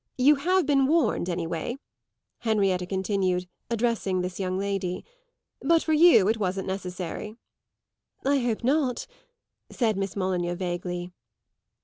You have been warned, anyway," Henrietta continued, addressing this young lady; "but for you it wasn't necessary." "I hope not," said Miss Molyneux vaguely.